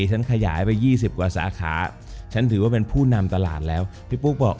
ฉันขยายไป๒๐กว่าสาขาฉันถือว่าเป็นผู้นำตลาดแล้วพี่ปุ๊กบอก